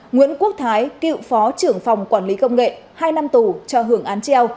nguyễn quốc thái cựu phó trưởng phòng quản lý công nghệ hai năm tù cho hưởng án treo